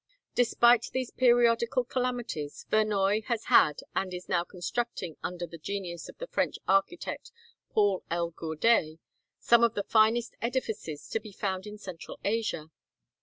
Despite these periodical calamities, Vernoye has had, and is now constructing, under the genius of the French architect, Paul L. Gourdet, some of the finest edifices to be found in central Asia.